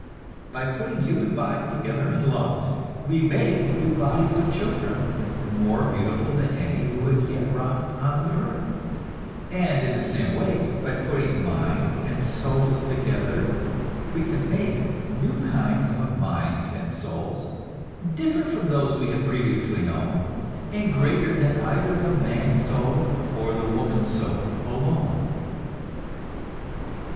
By putting human bodies together in love, we make new bodies of children more beautiful than any who have yet romped on the earth; and in the same way, by putting minds and souls together, we can make new kinds of minds and souls, different from those we have previously known, and greater than either the man soul or the woman soul alone.